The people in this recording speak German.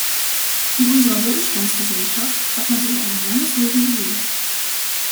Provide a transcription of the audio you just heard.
In unserer Wohlstandsgesellschaft hat man sich an ein langes Leben gewöhnt.